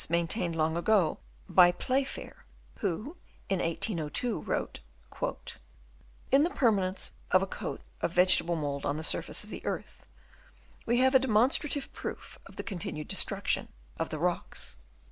293 tained long ago, by Play fair, who, in 1802, wrote, " In the permanence of a coat of " vegetable mould on the surface of the earth, " we have a demonstrative proof of the con " tinued destruction of the rocks."